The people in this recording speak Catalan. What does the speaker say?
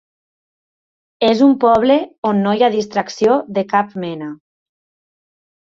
És un poble on no hi ha distracció de cap mena.